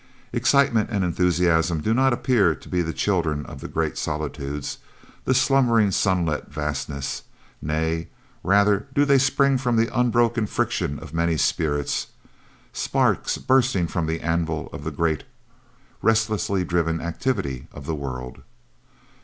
"Excitement and enthusiasm do not appear to be the children of the great solitudes, the slumbering sunlit vastnesses; nay, rather do they spring from the unbroken friction of many spirits, sparks bursting from the anvil of the great, restlessly driven activity of the world."